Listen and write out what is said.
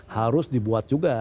harus dibuat juga